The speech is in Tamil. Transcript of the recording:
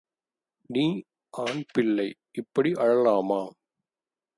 நீ ஆண் பிள்ளை, இப்படி அழலாமா?